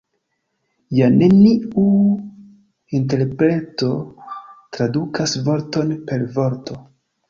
Ja neniu interpreto tradukas vorton per vorto.